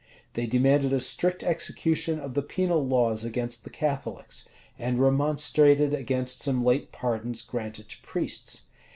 [] They demanded a strict execution of the penal laws against the Catholics, and remonstrated against some late pardons granted to priests.